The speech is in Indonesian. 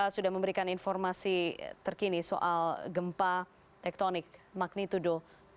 sudah memberikan informasi terkini soal gempa tektonik magnitudo tujuh